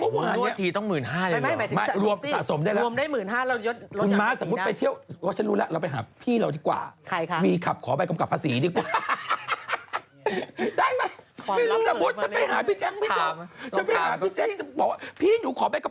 หมื่นที่ต้องหมื่นห้าเลยเหรอรวมได้หมื่นห้าเรายดรสอย่างพี่สินะ